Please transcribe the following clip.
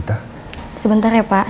au ng draik